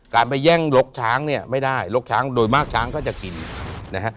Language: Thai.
การไปแย่งลกช้างเนี่ยไม่ได้ลกช้างโดยมากช้างก็จะกินนะฮะ